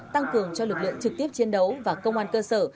tăng cường cho lực lượng trực tiếp chiến đấu và công an cơ sở